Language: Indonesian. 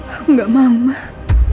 aku gak mau mah